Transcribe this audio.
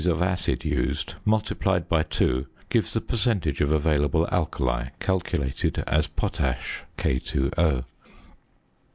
of acid used multiplied by 2 gives the percentage of available alkali calculated as potash (K_O).